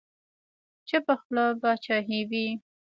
چپه خوله باچاهي وي.